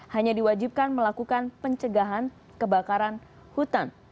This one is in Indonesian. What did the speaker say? hanya diwajibkan melakukan pencegahan kebakaran hutan